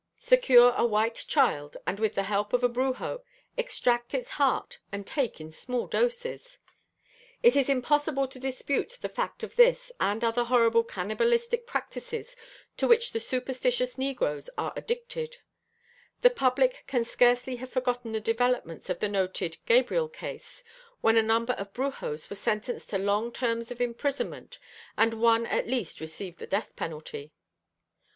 Secure a white child and with the help of a brujo extract its heart and take in small doses!! It is impossible to dispute the fact of this and other horrible cannibalistic practices to which the superstitious negros are addicted; the public can scarcely have forgotten the developments of the noted "Gabriel Case" when a number of Brujos were sentenced to long terms of imprisonment and one at least received the death penalty.